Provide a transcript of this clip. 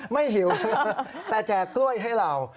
หิวแต่แจกกล้วยให้เรา